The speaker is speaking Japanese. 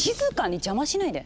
邪魔しないで！